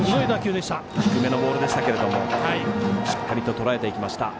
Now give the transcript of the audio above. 低めのボールでしたがしっかりととらえていきました。